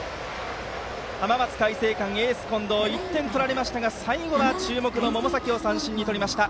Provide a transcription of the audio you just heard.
浜松開誠館、エース近藤は１点を取られましたが最後は注目の百崎を三振に取りました。